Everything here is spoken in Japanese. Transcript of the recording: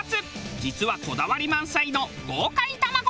実はこだわり満載の豪快卵メシ。